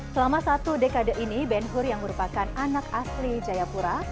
selama satu dekade ini ben hur yang merupakan anak asli jayapura